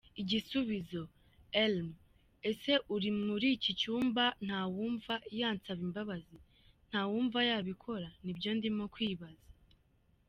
Igisubizo: “Erm, Ese muri icyi cyumba ntawumva yansaba imbabazi? Ntawumva yabikora? Nibyo ndimo kwibaza?”.